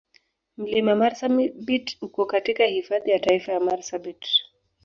Mlima Marsabit uko katika Hifadhi ya Taifa ya Marsabit.